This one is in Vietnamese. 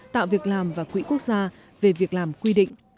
tạo việc làm và quỹ quốc gia về việc làm quy định